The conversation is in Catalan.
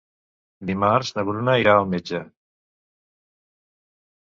Dimarts na Bruna irà al metge.